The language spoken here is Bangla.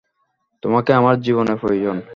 তোমাকে আমার জীবনে প্রয়োজন।